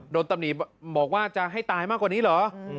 ตำหนิบอกว่าจะให้ตายมากกว่านี้เหรอ